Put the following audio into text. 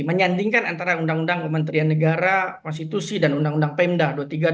menyandingkan antara undang undang kementerian negara konstitusi dan undang undang pemda dua puluh tiga dua ribu empat belas